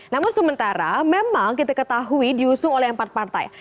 namun sementara memang kita ketahui diusung oleh empat partai